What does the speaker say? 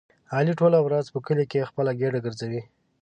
علي ټوله ورځ په کلي خپله ګېډه ګرځوي.